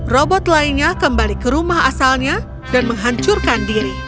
robot lainnya kembali ke rumah asalnya dan menghancurkan diri